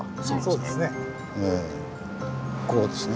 こうですね。